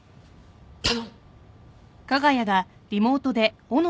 頼む！